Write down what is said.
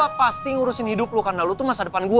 gue pasti ngurusin hidup lo karena lo tuh masa depan gue